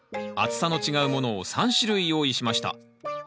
厚さの違うものを３種類用意しました。